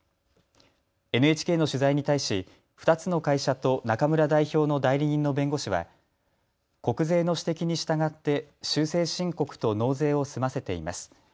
ＮＨＫの取材に対し、２つの会社と中村代表の代理人の弁護士は国税の指摘に従って修正申告と納税を済ませています。